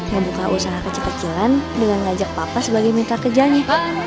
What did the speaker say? membuka usaha kecil kecilan dengan ngajak papa sebagai minta kejanyi